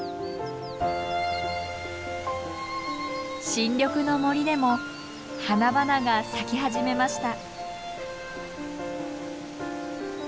新緑の森でも花々が咲き始めました。